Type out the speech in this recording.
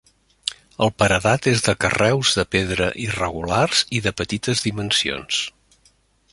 El paredat és de carreus de pedra irregulars i de petites dimensions.